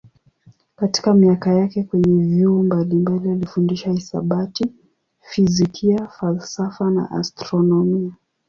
Katika miaka yake kwenye vyuo mbalimbali alifundisha hisabati, fizikia, falsafa na astronomia.